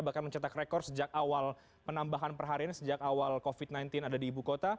bahkan mencetak rekor sejak awal penambahan perharian sejak awal covid sembilan belas ada di ibu kota